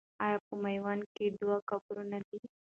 آیا په میوند کې دوه قبرونه دي؟